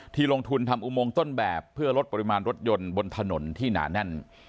ลงทุนทำอุโมงต้นแบบเพื่อลดปริมาณรถยนต์บนถนนที่หนาแน่น